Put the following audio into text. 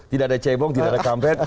tidak ada cebong tidak ada kampet